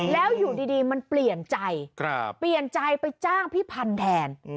แล้วอยู่ดีมันเปลี่ยนใจเปลี่ยนใจไปจ้างพี่พันธุ์แทน